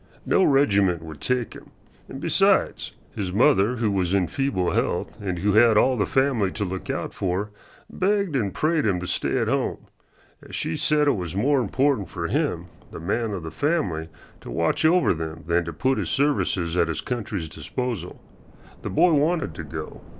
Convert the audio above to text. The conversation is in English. No regiment would take him, and besides, his mother, who was in feeble health and who had all the family to look out for, begged and prayed him to stay at home, as she said it was more important for him, the man of the family, to watch over them than to put his services at his country's disposal. The boy wanted to go.